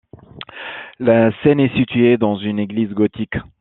La scène est située dans une église gothique.